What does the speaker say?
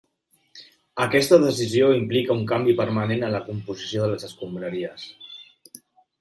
Aquesta decisió implica un canvi permanent en la composició de les escombraries.